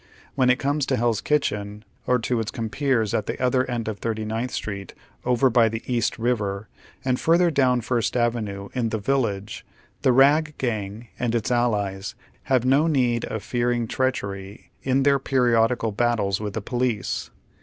"When it comes to Hell's Kitchen, or to its compeers at the other end of Tliirty ninth Street over by the East Eiver, and further down First Avenue in " the Village," the Kag Gang and its allies have no need of fearing treachery in their periodical battles with the police.